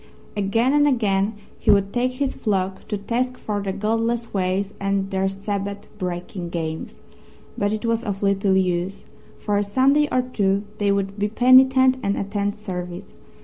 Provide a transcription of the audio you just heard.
Again and again he would take his flock to task for their godless ways and their Sabbath breaking games. But it was of little use. For a Sunday or two they would be penitent and attend service.